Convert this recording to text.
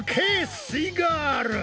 すイガール！